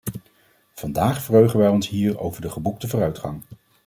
Vandaag verheugen wij ons hier over de geboekte vooruitgang.